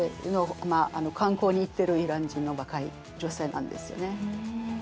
観光に行ってるイラン人の若い女性なんですよね。